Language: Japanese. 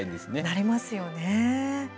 なりますよね。